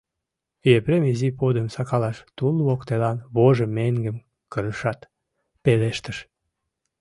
Епрем изи подым сакалаш тул воктелан вожын меҥгым кырышат, пелештыш: